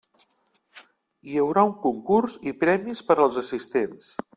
Hi haurà un concurs i premis per als assistents.